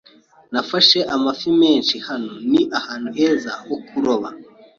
Nafashe amafi menshi hano. Ni ahantu heza ho kuroba.